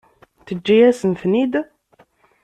Teǧǧa-yasen-ten-id?